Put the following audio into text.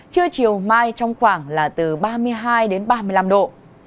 trưa chiều mai trong khoảng là từ ba mươi hai đến ba mươi năm độ